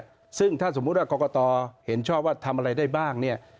เพราะฉะนั้นซึ่งถ้าสมมุติว่ากรกตเห็นชอบว่าทำอะไรได้บ้าง